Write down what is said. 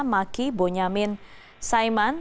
maki bonyamin saiman